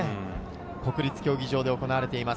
国立競技場で行われています。